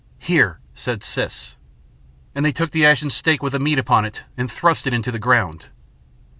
"Here!" said Siss. And they took the ashen stake with the meat upon it and thrust it into the ground.